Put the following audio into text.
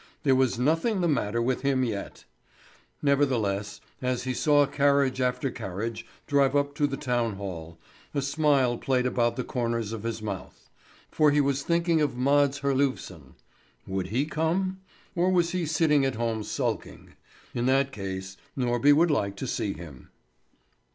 There was nothing the matter with him yet. Nevertheless as he saw carriage after carriage drive up to the town hall a smile played about the corners of his mouth; for he was thinking of Mads Herlufsen. Would he come? Or was he sitting at home sulking? In that case Norby would like to see him.